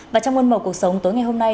và trong môn mộc cuộc sống tối ngày hôm nay